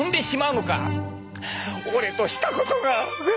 俺としたことが！